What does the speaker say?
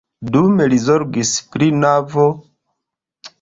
Dume li zorgis pri nova lernejo kaj restaŭrado de la preĝejo.